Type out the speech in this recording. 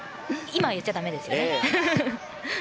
今言っちゃだめですね。